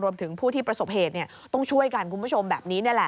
รวมถึงผู้ที่ประสบเหตุต้องช่วยกันคุณผู้ชมแบบนี้นี่แหละ